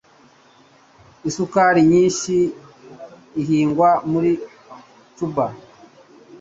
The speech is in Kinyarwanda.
Isukari nyinshi ihingwa muri Cuba.